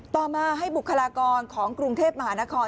ต่อมาให้บุคลากรของกรุงเทพมหานคร